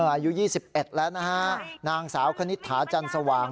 อายุยี่สิบเอ็ดแล้วนะฮะนางสาวคณิตถาจันทร์สว่าง